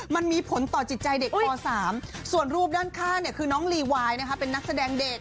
มันมีผลต่อจิตใจเด็กป๓ส่วนรูปด้านข้างคือน้องลีวายเป็นนักแสดงเดช